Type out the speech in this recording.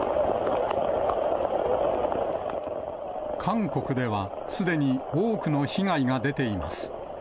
韓国では、すでに多くの被害が出ています。